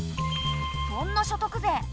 そんな所得税